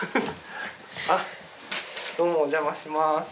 あっどうもおじゃまします。